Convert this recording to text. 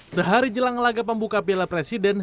sehari jelang laga pembuka piala presiden